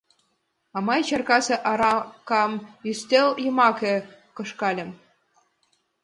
А мый чаркасе аракам ӱстел йымаке кышкальым.